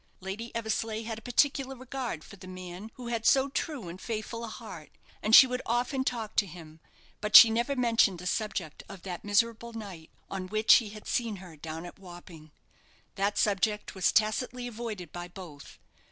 Lady Eversleigh had a particular regard for the man who had so true and faithful a heart, and she would often talk to him; but she never mentioned the subject of that miserable night on which he had seen her down at Wapping. That subject was tacitly avoided by both.